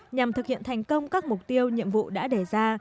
nhằm thực hiện thành công các mục tiêu nhiệm vụ đã đề ra